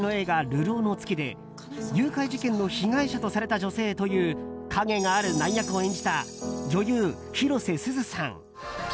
「流浪の月」で誘拐事件の被害者とされた女性という陰がある難役を演じた女優・広瀬すずさん。